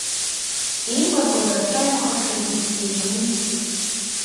Еимаркуаз ачаимхахьы зегьы еиманы ицеит.